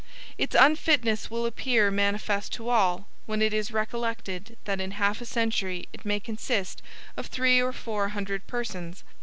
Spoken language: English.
Its unfitness will appear manifest to all, when it is recollected that in half a century it may consist of three or four hundred persons.